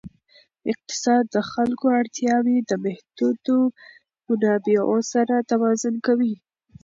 اقتصاد د خلکو اړتیاوې د محدودو منابعو سره توازن کوي.